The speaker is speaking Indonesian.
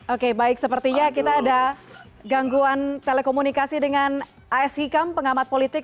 oke baik sepertinya kita ada gangguan telekomunikasi dengan as hikam pengamat politik